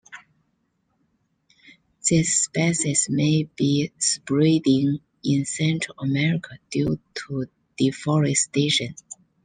This species may be spreading in Central America due to deforestation.